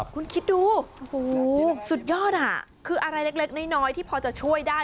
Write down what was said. คุณคิดดูสุดยอดอ่ะคืออะไรเล็กน้อยที่พอจะช่วยได้